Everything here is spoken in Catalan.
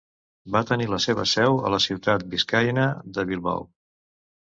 Va tenir la seva seu a la ciutat biscaïna de Bilbao.